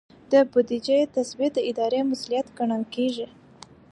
د بودیجې تثبیت د ادارې مسؤلیت ګڼل کیږي.